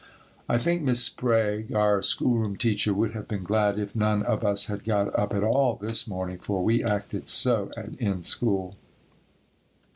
I think Miss Sprague, our schoolroom teacher, would have been glad if none of us had got up at all this morning for we acted so in school.